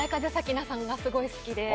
さんがすごい好きで。